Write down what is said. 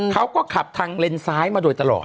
เขาก็ขับทางเลนซ้ายมาโดยตลอด